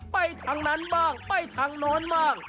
ไปทางนั้นบ้างไปทางโน้นบ้าง